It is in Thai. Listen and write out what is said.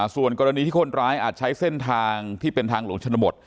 ส่วนกรณีที่คนร้ายอาจใช้เส้นทางที่เป็นทางหลวงชนบท